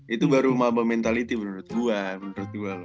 itu baru mabah mentality menurut gua menurut gua loh